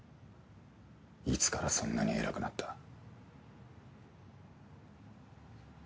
いつからそんなに偉くなった？